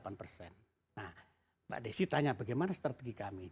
nah mbak desi tanya bagaimana strategi kami